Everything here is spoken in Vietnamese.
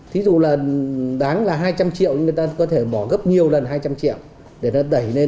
thí dụ là đáng là hai trăm linh triệu nhưng người ta có thể bỏ gấp nhiều lần hai trăm linh triệu để ta đẩy lên